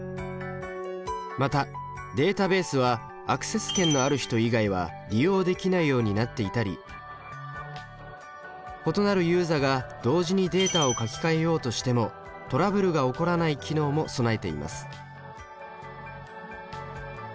またデータベースはアクセス権のある人以外は利用できないようになっていたり異なるユーザが同時にデータを書き換えようとしてもトラブルが起こらない機能も備えています。